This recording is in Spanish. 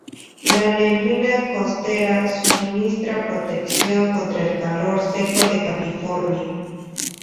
La neblina costera suministra protección contra el calor seco de California.